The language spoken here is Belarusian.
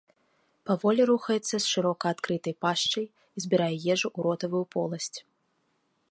Паволі рухаецца з шырока адкрытай пашчай і збірае ежу ў ротавую поласць.